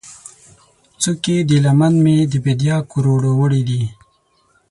څوکې د لمن مې، د بیدیا کروړو ، وړې دي